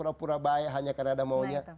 kalau kita pura pura baik hanya karena ada maunya